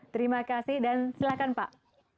terima kasih dan silakan pak